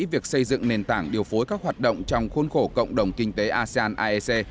việc xây dựng nền tảng điều phối các hoạt động trong khuôn khổ cộng đồng kinh tế asean aec